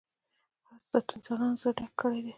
حرص د انسانانو زړونه ډک کړي دي.